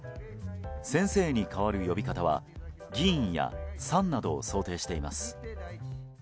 「先生」に代わる呼び方は「議員」や「さん」などを想定しています。